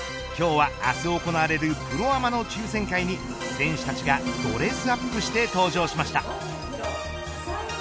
今日は明日行われるプロアマの抽選会に選手たちがドレスアップして登場しました。